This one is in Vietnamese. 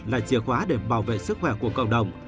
là chìa khóa để bảo vệ sức khỏe của cộng đồng